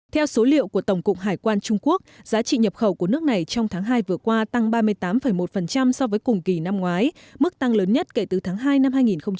theo số liệu của tổng cục hải quan trung quốc giá trị nhập khẩu của nước này trong tháng hai vừa qua tăng ba mươi tám một so với cùng kỳ năm ngoái mức tăng lớn nhất kể từ tháng hai năm hai nghìn một mươi chín